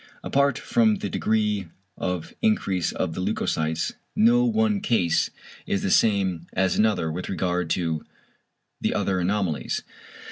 Apart from the degree of increase of the leucocytes, no one case is the same as another with regard to the other anomalies.